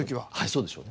そうでしょう。